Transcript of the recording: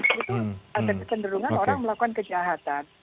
ada kekenderungan orang melakukan kejahatan